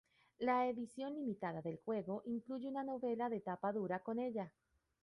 La edición limitada del juego incluye una novela de tapa dura con ella.